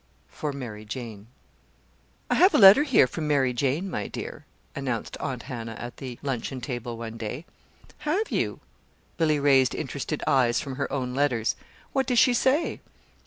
FOR MARY JANE "I have a letter here from Mary Jane, my dear," announced Aunt Hannah at the luncheon table one day. "Have you?" Billy raised interested eyes from her own letters. "What does she say?"